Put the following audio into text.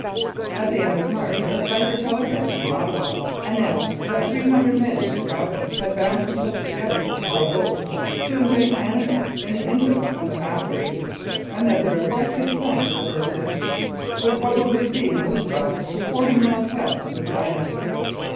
At the end of March a cipher telegram from Ottawa announced that three hundred men in Chicago had bound themselves together, by oath, to invade Canada in the interests of the half breeds, and that their objec tive point in the first instance would probably be Moose Jaw, forty miles westward of Regina.